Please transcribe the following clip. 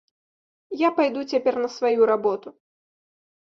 Я пайду цяпер на сваю работу.